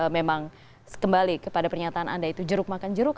memang kembali kepada pernyataan anda itu jeruk makan jeruk